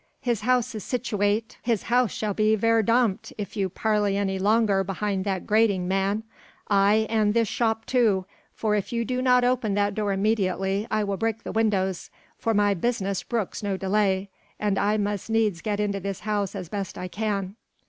His house is situate...." "His house shall be verdommt if you parley any longer behind that grating, man; aye and this shop too, for if you do not open that door immediately I will break the windows, for my business brooks no delay, and I must needs get into this house as best I can."